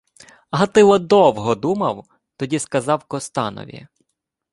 Гатило довго думав, тоді сказав Костанові: